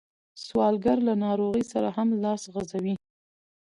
سوالګر له ناروغۍ سره هم لاس غځوي